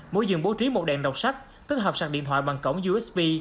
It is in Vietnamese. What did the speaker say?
mỗi giường bố trí một đèn độc sách tích hợp sạc điện thoại bằng cổng usb